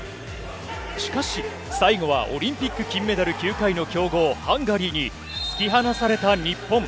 しかし、最後はオリンピック金メダル９回の強豪、ハンガリーに、突き放された日本。